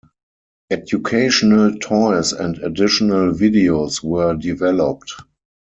Educational toys and additional videos were developed.